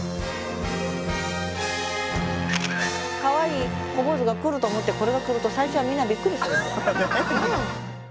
かわいい小坊主が来ると思ってこれが来ると最初はみんなびっくりするんじゃ。